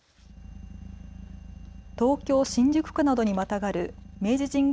東京新宿区などにまたがる明治神宮